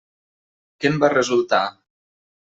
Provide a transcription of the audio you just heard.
Què en va resultar?